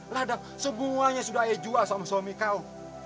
lada semuanya sudah ayah jual sama suami kau